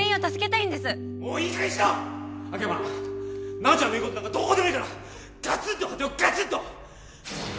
直ちゃんの言うことなんかどうでもいいからがつんと勝てよがつんと。